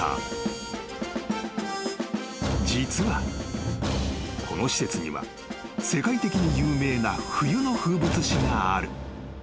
［実はこの施設には世界的に有名な冬の風物詩がある］